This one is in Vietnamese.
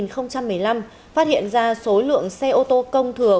năm hai nghìn một mươi năm phát hiện ra số lượng xe ô tô công thừa